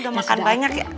udah makan banyak ya